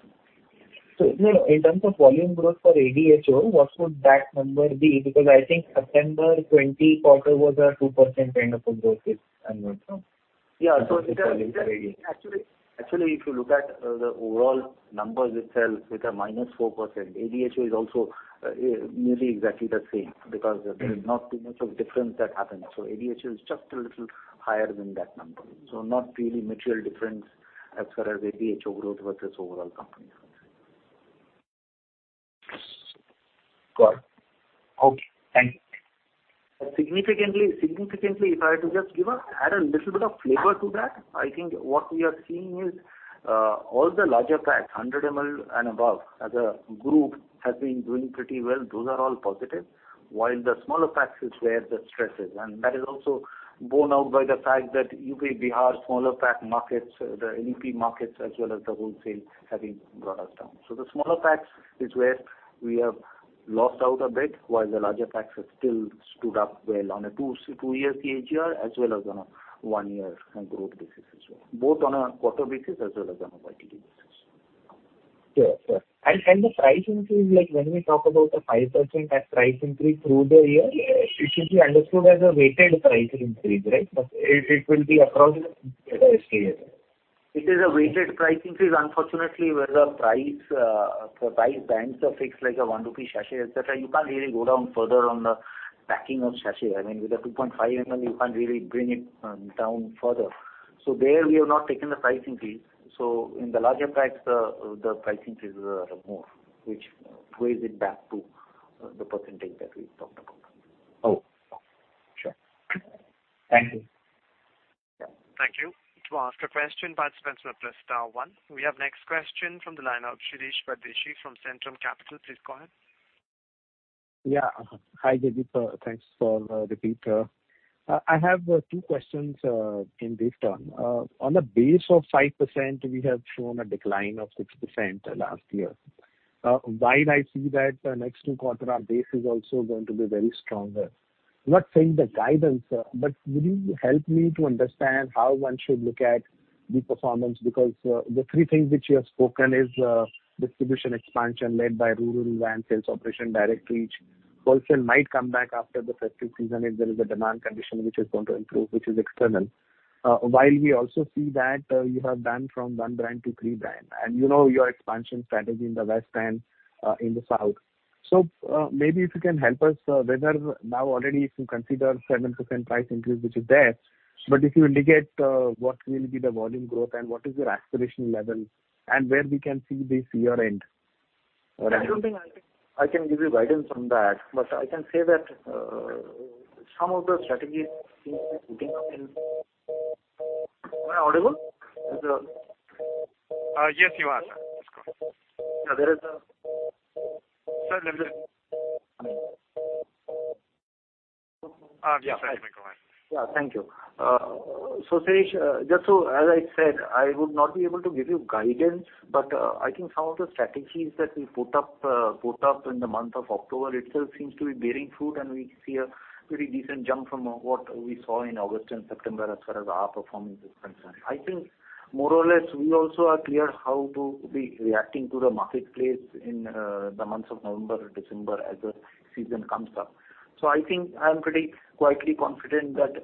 You know, in terms of volume growth for ADHO, what would that number be? Because I think September 2020 quarter was a 2% kind of a growth rate annual. Yeah. It is actually, if you look at the overall numbers itself with -4%, ADHO is also nearly exactly the same because there is not too much of difference that happens. ADHO is just a little higher than that number. Not really material difference as far as ADHO growth versus overall company growth. Got it. Okay, thank you. Significantly, if I had to just add a little bit of flavor to that, I think what we are seeing is, all the larger packs, 100 ml and above as a group, has been doing pretty well. Those are all positive, while the smaller packs is where the stress is. That is also borne out by the fact that UP, Bihar, smaller pack markets, the Nepal markets as well as the wholesale having brought us down. The smaller packs is where we have lost out a bit, while the larger packs have still stood up well on a two-year CAGR as well as on a one-year growth basis as well, both on a quarter basis as well as on a YTD basis. Sure, sure. The price increase, like when we talk about the 5% as price increase through the year, it should be understood as a weighted price increase, right? It will be across the SKUs. It is a weighted price increase, unfortunately, where the price bands are fixed like a 1 rupee sachet, et cetera, you can't really go down further on the packing of sachet. I mean, with a 2.5 ml, you can't really bring it down further. There we have not taken the price increase. In the larger packs the price increase is more, which weighs it back to the percentage that we talked about. Oh, sure. Thank you. Yeah. Thank you. To ask a question, participants may press star one. We have next question from the line of Shirish Pardeshi from Centrum Capital. Please go ahead. Hi, Jaideep. Thanks for the brief. I have two questions in brief terms. On the base of 5%, we have shown a decline of 6% last year. While I see that the next two quarters our base is also going to be very stronger. Not saying the guidance, but will you help me to understand how one should look at the performance? Because the three things which you have spoken is distribution expansion led by rural revival, sales operation, direct reach. Wholesale might come back after the festive season if there is a demand condition which is going to improve, which is external. While we also see that you have done from one brand to three brands and you know your expansion strategy in the West and in the South. Maybe if you can help us whether now already if you consider 7% pricing increase, which is there, if you indicate what will be the volume growth and what is your aspiration level and where we can see this year-end? I don't think I can give you guidance on that, but I can say that some of the strategies seem to be picking up. Am I audible? Is the. Yes, you are, sir. Yeah, sorry. Yeah. Perfectly fine. Yeah, thank you. Shirish, just so as I said, I would not be able to give you guidance, but, I think some of the strategies that we put up in the month of October itself seems to be bearing fruit, and we see a pretty decent jump from what we saw in August and September as far as our performance is concerned. I think more or less we also are clear how to be reacting to the marketplace in, the months of November, December as the season comes up. I think I'm pretty quietly confident that,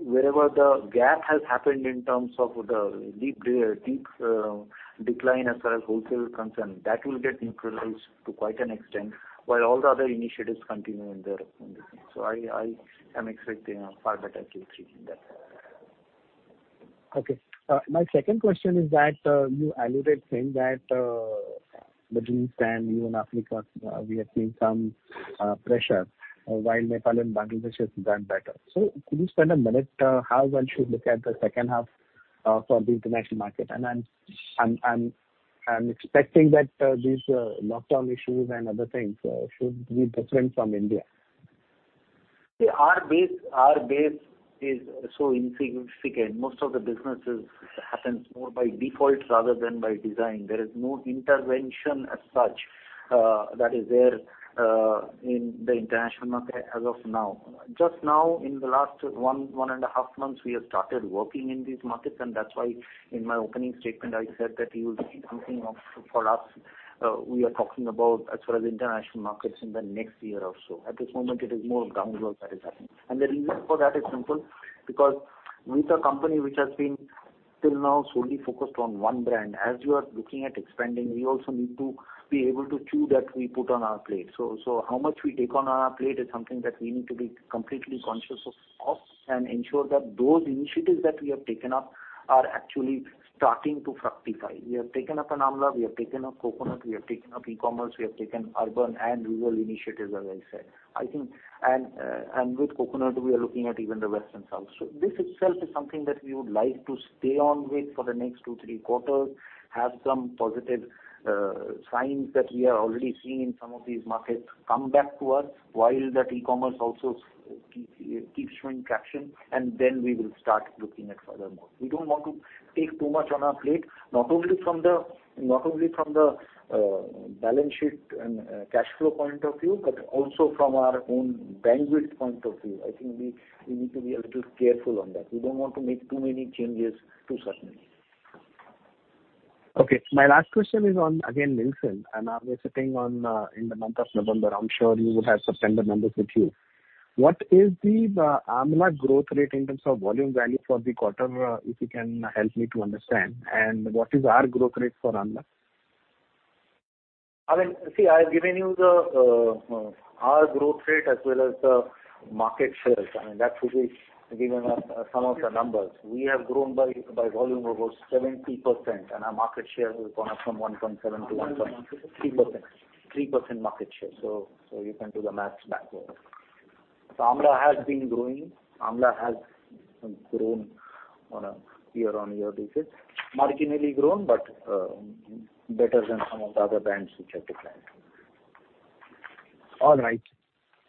wherever the gap has happened in terms of the deep decline as far as wholesale is concerned, that will get neutralized to quite an extent while all the other initiatives continue in their condition. I am expecting a far better Q3 in that. Okay. My second question is that you alluded saying that the Sri Lanka and even Africa we are seeing some pressure while Nepal and Bangladesh has done better. Could you spend a minute how one should look at the second half for the international market? I'm expecting that these lockdown issues and other things should be different from India. See, our base is so insignificant. Most of the businesses happens more by default rather than by design. There is no intervention as such that is there in the international market as of now. Just now in the last 1.5 months, we have started working in these markets, and that's why in my opening statement, I said that you'll see something of, for us, we are talking about as far as international markets in the next year or so. At this moment it is more groundwork that is happening. The reason for that is simple, because with a company which has been till now solely focused on one brand, as you are looking at expanding, we also need to be able to chew that we put on our plate. How much we take on our plate is something that we need to be completely conscious of, and ensure that those initiatives that we have taken up are actually starting to fructify. We have taken up Amla, we have taken up Coconut, we have taken up e-commerce, we have taken up urban and rural initiatives, as I said. I think with Coconut we are looking at even the west and south. This itself is something that we would like to stay on with for the next two, three quarters, have some positive signs that we are already seeing in some of these markets come back to us while that e-commerce also keeps showing traction, and then we will start looking at further more. We don't want to take too much on our plate, not only from the balance sheet and cash flow point of view, but also from our own bandwidth point of view. I think we need to be a little careful on that. We don't want to make too many changes too suddenly. Okay. My last question is on, again, Nielsen, and now we're sitting on in the month of November. I'm sure you would have some trended numbers with you. What is the Amla growth rate in terms of volume and value for the quarter, if you can help me to understand? And what is our growth rate for Amla? I mean, see, I've given you the our growth rate as well as the market shares. I mean, that should be giving us some of the numbers. We have grown by volume over 70%, and our market share has gone up from 1.7% to 3%. 3% market share. You can do the math backward. Amla has been growing. Amla has grown on a year-on-year basis, marginally grown, but better than some of the other brands which have declined. All right.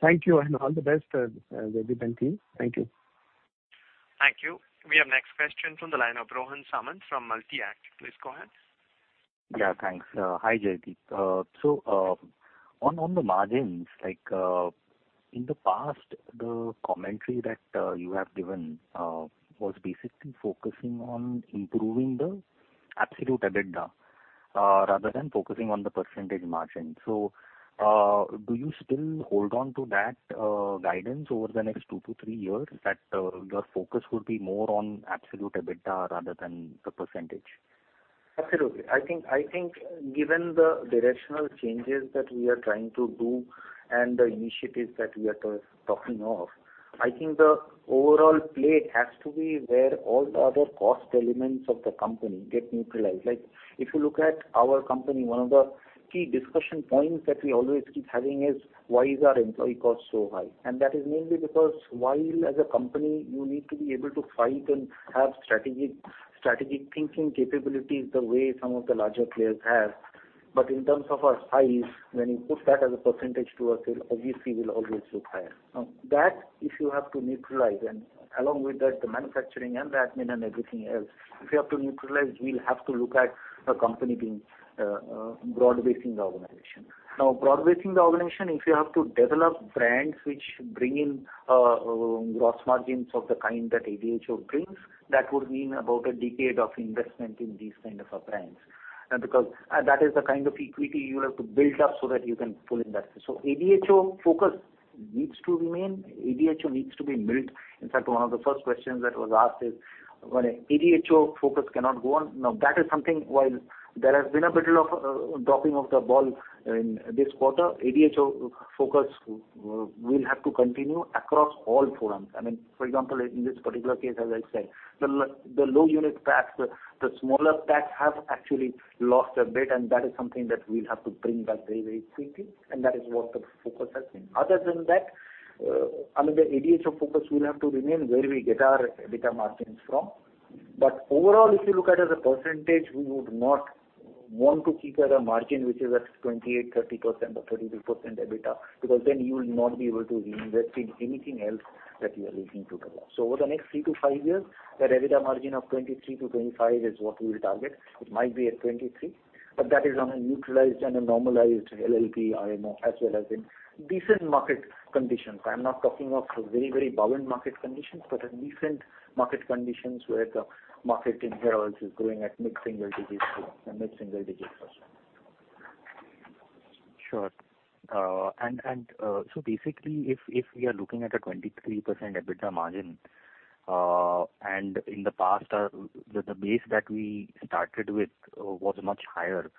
Thank you and all the best, Jaideep and team. Thank you. Thank you. We have next question from the line of Rohan Samant from Multi-Act. Please go ahead. Yeah, thanks. Hi, Jaideep. On the margins, like, in the past, the commentary that you have given was basically focusing on improving the absolute EBITDA rather than focusing on the percentage margin. Do you still hold on to that guidance over the next two to three years, that your focus would be more on absolute EBITDA rather than the percentage? Absolutely. I think given the directional changes that we are trying to do and the initiatives that we are talking of, I think the overall play has to be where all the other cost elements of the company get neutralized. Like if you look at our company, one of the key discussion points that we always keep having is why is our employee cost so high? And that is mainly because while as a company you need to be able to fight and have strategic thinking capabilities the way some of the larger players have. In terms of our size, when you put that as a percentage to our sales, obviously we'll always look higher. Now, to neutralize, and along with that the manufacturing and the admin and everything else, if you have to neutralize, we'll have to look at a company being broad-basing the organization. Now, broad-basing the organization, if you have to develop brands which bring in gross margins of the kind that ADHO brings, that would mean about a decade of investment in these kind of a brands, because that is the kind of equity you have to build up so that you can pull in that. ADHO focus needs to remain. ADHO needs to be built. In fact, one of the first questions that was asked is when ADHO focus cannot go on. Now, that is something while there has been a bit of dropping of the ball in this quarter, ADHO focus will have to continue across all forums. I mean, for example, in this particular case, as I said, the low unit packs, the smaller packs have actually lost a bit, and that is something that we'll have to bring back very quickly, and that is what the focus has been. Other than that, I mean, the ADHO focus will have to remain where we get our EBITDA margins from. Overall, if you look at as a percentage, we would not want to keep at a margin which is at 28%-30% or 32% EBITDA, because then you will not be able to reinvest in anything else that you are looking to develop. Over the next three to five years, the EBITDA margin of 23%-25% is what we will target. It might be at 23%, but that is on a neutralized and a normalized LLP, RMO, as well as in decent market conditions. I'm not talking of very, very buoyant market conditions, but at decent market conditions where the market in hair oils is growing at mid-single-digits. Sure. Basically if we are looking at a 23% EBITDA margin, and in the past, the base that we started with was much higher.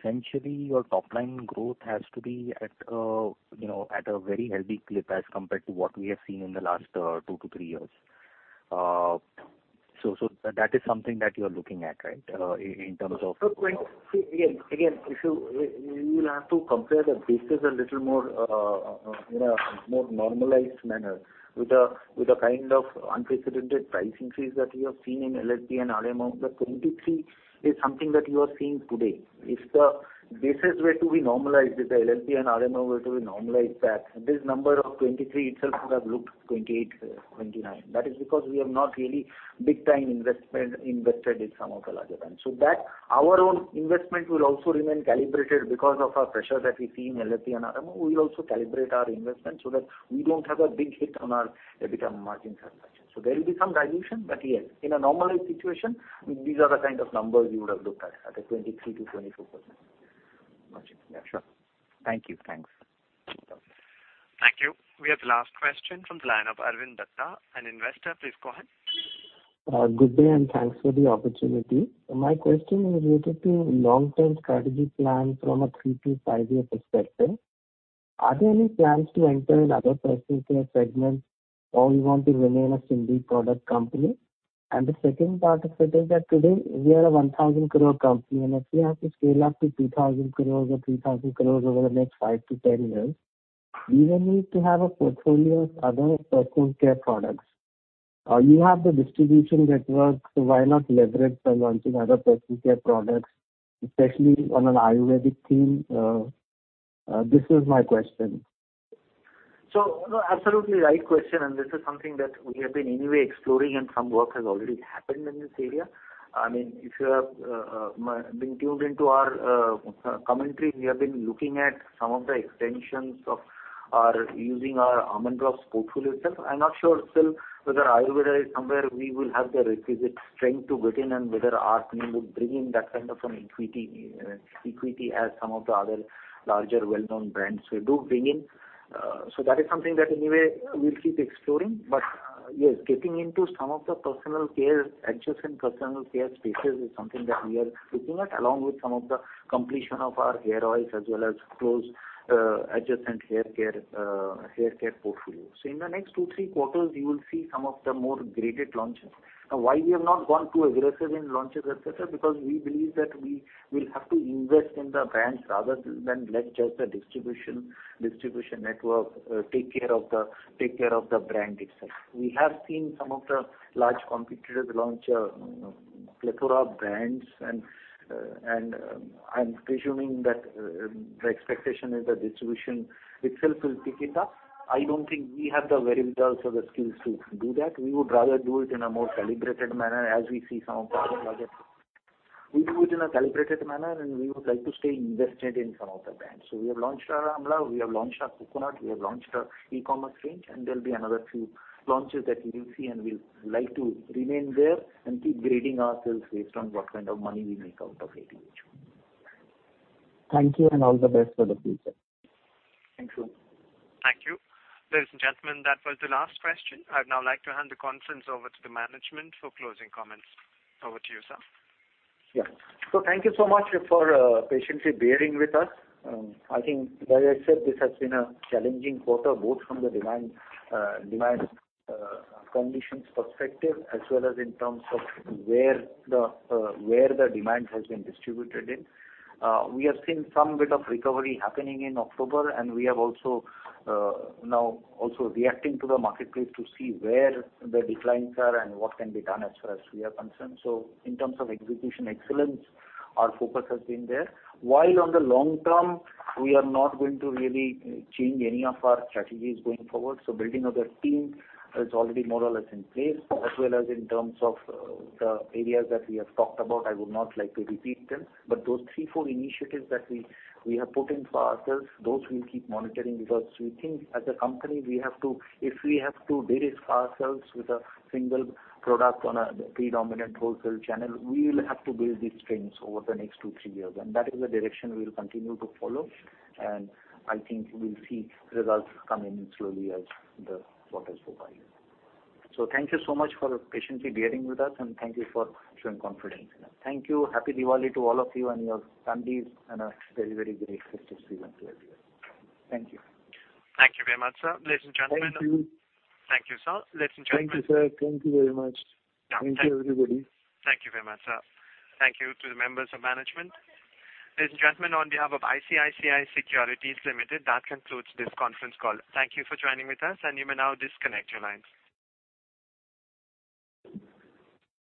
Essentially your top line growth has to be at you know at a very healthy clip as compared to what we have seen in the last two to three years. That is something that you are looking at, right, in terms of. If you will have to compare the bases a little more in a more normalized manner with the kind of unprecedented pricing increases that we have seen in LLP and RMO. The 23% is something that you are seeing today. If the bases were to be normalized, if the LLP and RMO were to be normalized back, this number of 23% itself would have looked 28%, 29%. That is because we have not really invested in some of the larger brands. Our own investment will also remain calibrated because of our pressures that we see in LLP and RMO. We will also calibrate our investment so that we don't have a big hit on our EBITDA margins. There will be some dilution, but yes, in a normalized situation, these are the kind of numbers you would have looked at a 23%-24% margin. Yeah, sure. Thank you. Thanks. Okay. Thank you. We have the last question from the line of Arvind Dutta, an investor. Please go ahead. Good day and thanks for the opportunity. My question is related to long-term strategy plan from a three to five-year perspective. Are there any plans to enter in other personal care segments, or you want to remain a single product company? The second part of it is that today we are an 1,000 crores company, and if we have to scale up to 2,000 crores or 3,000 crores over the next five to 10 years, we will need to have a portfolio of other personal care products. You have the distribution network, so why not leverage by launching other personal care products, especially on an Ayurvedic theme? This is my question. No, absolutely right question, and this is something that we have been anyway exploring and some work has already happened in this area. I mean, if you have been tuned into our commentary, we have been looking at some of the extensions of our using our Almond Drops portfolio itself. I'm not sure still whether Ayurveda is somewhere we will have the requisite strength to get in and whether our team would bring in that kind of an equity as some of the other larger well-known brands they do bring in. That is something that anyway we'll keep exploring. Yes, getting into some of the personal care, adjacent personal care spaces is something that we are looking at, along with some of the complement of our hair oils as well as closely adjacent hair care portfolio. In the next two, three quarters, you will see some of the more graded launches. Now, why we have not gone too aggressive in launches, et cetera, because we believe that we will have to invest in the brands rather than let just the distribution network take care of the brand itself. We have seen some of the large competitors launch a, you know, plethora of brands and I'm presuming that the expectation is the distribution itself will pick it up. I don't think we have the variables or the skill set to do that. We do it in a calibrated manner, and we would like to stay invested in some of the brands. We have launched our Amla, we have launched our coconut, we have launched our e-commerce range, and there'll be another few launches that you will see, and we'll like to remain there and keep grading ourselves based on what kind of money we make out of each one. Thank you, and all the best for the future. Thank you. Thank you. Ladies and gentlemen, that was the last question. I'd now like to hand the conference over to the management for closing comments. Over to you, sir. Yeah. Thank you so much for patiently bearing with us. I think as I said, this has been a challenging quarter, both from the demand conditions perspective as well as in terms of where the demand has been distributed in. We have seen some bit of recovery happening in October, and we have also now also reacting to the marketplace to see where the declines are and what can be done as far as we are concerned. In terms of execution excellence, our focus has been there. While on the long term, we are not going to really change any of our strategies going forward. Building of the team is already more or less in place, as well as in terms of the areas that we have talked about. I would not like to repeat them. Those three, four initiatives that we have put in for ourselves, those we'll keep monitoring because we think as a company we have to. If we have to de-risk ourselves with a single product on a predominant wholesale channel, we will have to build these strengths over the next two, three years. That is the direction we will continue to follow. I think we'll see results come in slowly as the quarters go by. Thank you so much for patiently bearing with us, and thank you for showing confidence in us. Thank you. Happy Diwali to all of you and your families, and a very, very great festive season to everyone. Thank you. Thank you very much, sir. Ladies and gentlemen. Thank you. Thank you, sir. Ladies and gentlemen. Thank you, sir. Thank you very much. Thank you, everybody. Thank you very much, sir. Thank you to the members of management. Ladies and gentlemen, on behalf of ICICI Securities Limited, that concludes this conference call. Thank you for joining with us, and you may now disconnect your lines.